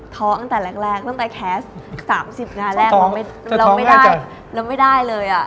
ท้อตั้งแต่แรกตั้งแต่แคสต์๓๐งานแรกเราไม่ได้เลย